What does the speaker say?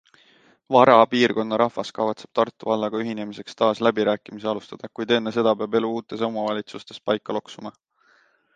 Vara piirkonna rahvas kavatseb Tartu vallaga ühinemiseks taas läbirääkimisi alustada, kuid enne seda peab elu uutes omavalitsustes paika loksuma.